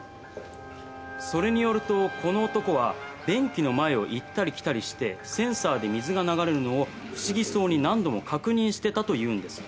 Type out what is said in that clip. それによると「この男は便器の前を行ったり来たりしてセンサーで水が流れるのを不思議そうに何度も確認してた」と言うんです。